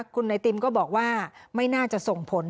คุณไอติมก็บอกว่าไม่น่าจะส่งผล